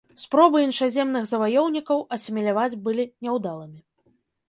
Спробы іншаземных заваёўнікаў асіміляваць былі няўдалымі.